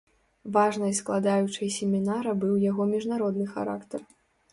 Важнай складаючай семінара быў яго міжнародны характар.